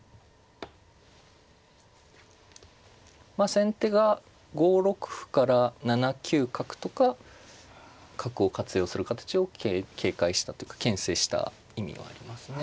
先手が５六歩から７九角とか角を活用する形を警戒したというかけん制した意味はありますね。